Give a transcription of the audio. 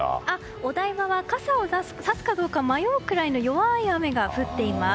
お台場は傘をさすかどうか迷うくらいの弱い雨が降っています。